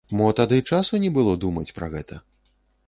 Мо тады часу не было думаць пра гэта?